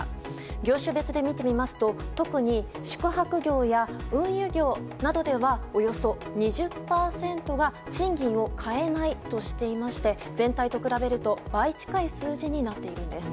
業種別で見てみますと特に宿泊業や運輸業などではおよそ２０％が賃金を変えないとしていまして全体と比べると倍近い数字になっているんです。